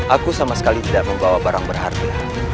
aku sama sekali tidak membawa barang berharga